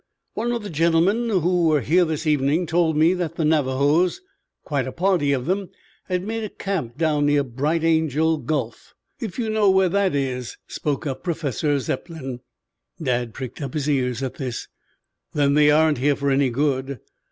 "One of the gentlemen who were here this evening told me the Navajos, quite a party of them, had made a camp down near Bright Angel Gulch, if you know where that is," spoke up Professor Zepplin. Dad pricked up his ears at this. "Then they aren't here for any good.